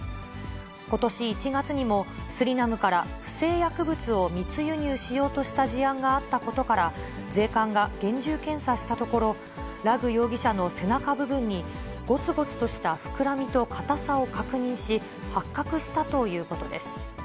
ことし１月にも、スリナムから不正薬物を密輸入しようとした事案があったことから、税関が厳重検査したところ、ラグ容疑者の背中部分に、ごつごつとしたふくらみと固さを確認し、発覚したということです。